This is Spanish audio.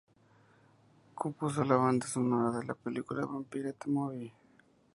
Compuso la banda sonora de la película "Vampira: The Movie".